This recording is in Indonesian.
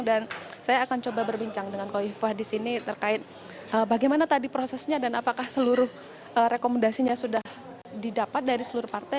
saya akan coba berbincang dengan koifah disini terkait bagaimana tadi prosesnya dan apakah seluruh rekomendasinya sudah didapat dari seluruh partai